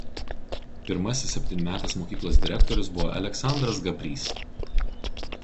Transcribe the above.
Pirmasis septynmetės mokyklos direktorius buvo Aleksandras Gabrys.